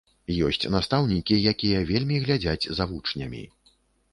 Ёсць настаўнікі, якія вельмі глядзяць за вучнямі.